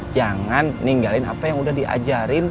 jangan ninggalin apa yang udah diajarin